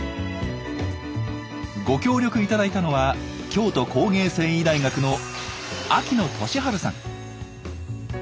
ご協力頂いたのは京都工芸繊維大学の秋野順治さん。